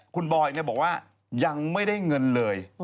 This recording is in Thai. คุณบอยบอกว่ายังไม่ได้เงินเลย